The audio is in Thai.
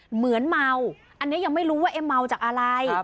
เหมือนเมาอันนี้ยังไม่รู้ว่าเอ็มเมาจากอะไร